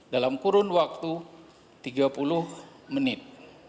dalam kurun waktu tiga puluh menit